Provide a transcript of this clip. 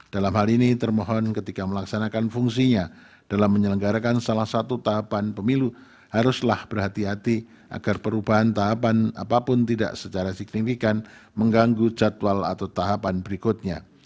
dalam hal ini termohon ketika melaksanakan fungsinya dalam menyelenggarakan salah satu tahapan pemilu haruslah berhati hati agar perubahan tahapan apapun tidak secara signifikan mengganggu jadwal atau tahapan berikutnya